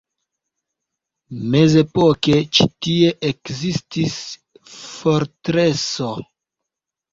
Mezepoke ĉi tie ekzistis fortreso.